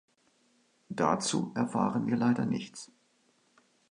Dazu erfahren wir leider nichts.